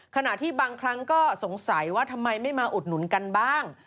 ขณะที่บางครั้งก็สงสัยว่าทำไมไม่มาอุดหนุนกันบ้าง